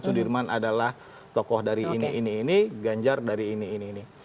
sudirman adalah tokoh dari ini ini ini ganjar dari ini ini ini